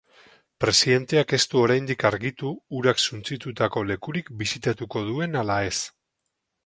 Presidenteak ez du oraindik argitu urak suntsitutako lekurik bisitatuko duen ala ez.